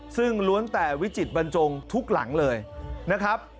ซึ่งล้วนแต่วิจิตบรรจงทุกหลังเลยนะครับ